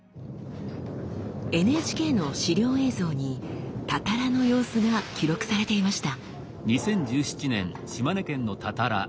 ＮＨＫの資料映像に「たたら」の様子が記録されていました。